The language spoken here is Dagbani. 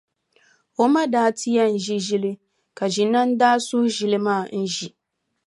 O ma daa ti yɛn ʒi ʒili ka Ʒinani daa suhi ʒili maa n-ʒi.